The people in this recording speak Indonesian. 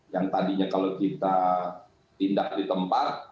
yang tadinya kalau kita tindak di tempat